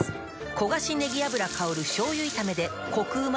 焦がしねぎ油香る醤油炒めでコクうま